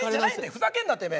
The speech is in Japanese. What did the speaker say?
ふざけんなてめえ！